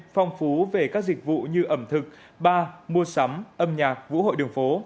phong phú về các dịch vụ như ẩm thực ba mua sắm âm nhạc vũ hội đường phố